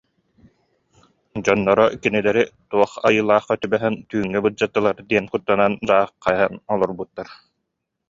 Дьонноро кинилэри «туох айылаахха түбэһэн, түүҥҥэ былдьаттылар» диэн куттанан, дьаахханан олорбуттар